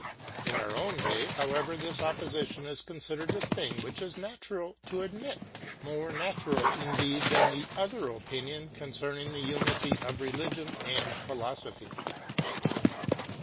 In our own day, however, this opposition is considered a thing which it is natural to admit more natural indeed than the other opinion concerning the unity of religion and philosophy.